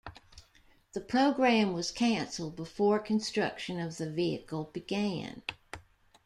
The program was canceled before construction of the vehicle began.